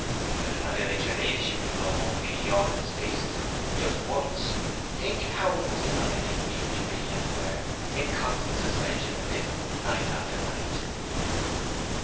'If it annihilates your ladyship to roam over these yawning spaces just once, think how it must annihilate me to be, as it were, in constant suspension amid them night after night.'